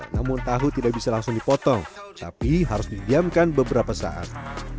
namun tahu tidak bisa langsung dipotong tapi harus didiamkan beberapa saat